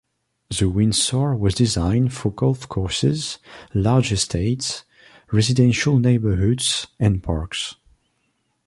The Windsor was designed for golf courses, large estates, residential neighbourhoods and parks.